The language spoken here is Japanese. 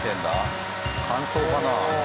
乾燥かな？